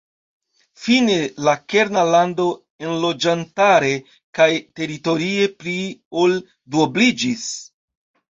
Fine la kerna lando enloĝantare kaj teritorie pli ol duobliĝis.